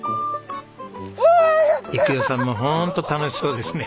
育代さんもほんと楽しそうですね